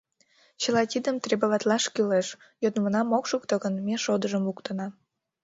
Чыла тидым требоватлаш кӱлеш, йодмынам ок шукто гын, ме шодыжым луктына.